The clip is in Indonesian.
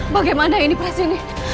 bagaimana ini berhasil nih